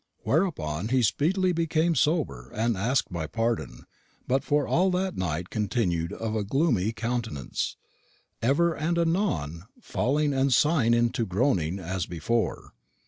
Whereupon he speedily became sober, and asked my pardon; but for all that night continued of a gloomy countenance, ever and anon falling to sighing and groning as before.